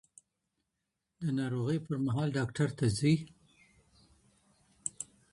د ناروغۍ پر مهال ډاکټر ته ځئ.